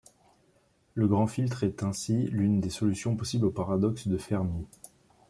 Le grand filtre est ainsi l'une des solutions possibles au paradoxe de Fermi.